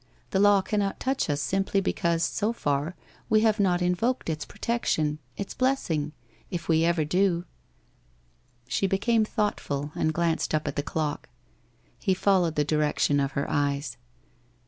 The Law cannot touch us simply because, so far, we have not invoked its protection, its blessing — if we ever do?' She became thoughtful, and glanced up at the clock. He followed the direction of her eyes.